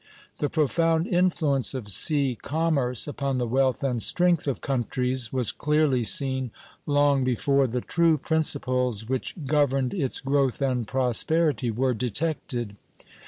The profound influence of sea commerce upon the wealth and strength of countries was clearly seen long before the true principles which governed its growth and prosperity were detected.